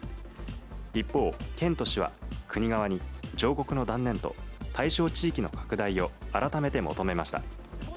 一方、県と市は、国側に上告の断念と、対象地域の拡大を改めて求めました。